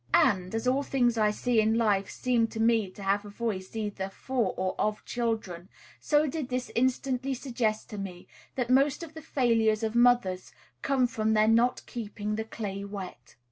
And, as all things I see in life seem to me to have a voice either for or of children, so did this instantly suggest to me that most of the failures of mothers come from their not keeping the clay wet.